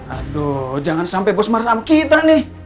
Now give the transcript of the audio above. aduh jangan sampai bos marah sama kita nih